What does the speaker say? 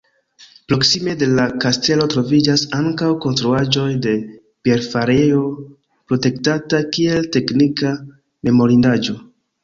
Proksime de la kastelo troviĝas ankaŭ konstruaĵoj de bierfarejo, protektata kiel teknika memorindaĵo.